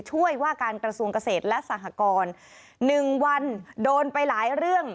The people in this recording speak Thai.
ช่วยว่าการกระทรวงเกษตรและสหกร๑วันโดนไปหลายเรื่อง